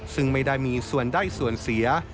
ซึ่งไม่ได้มีส่วนได้ส่วนเสีย